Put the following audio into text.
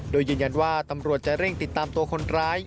โดยยืนยันว่าตำรวจจะเร่งติดตามตัวคนร้าย